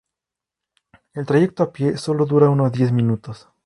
El trayecto a pie solo dura unos diez minutos.